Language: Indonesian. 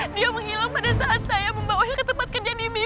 dia menghilang pada saat saya membawanya ke tempat kerjaan imel mbak